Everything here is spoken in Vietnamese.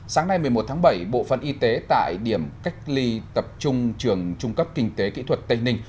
sáng nay một mươi một tháng bảy bộ phân y tế tại điểm cách ly tập trung trường trung cấp kinh tế kỹ thuật tây ninh